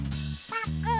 パックン！